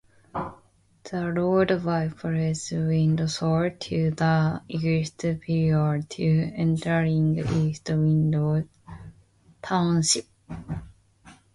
The road bypasses Windsor to the east prior to entering East Windsor Township.